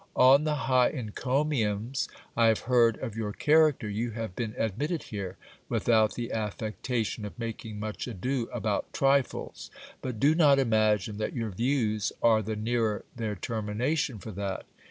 On the high encomiums I have heard of your charac ter, you have been admitted here, without the affectation of making much ado about trifles : but do not imagine that your views are the nearer their termina tion for that.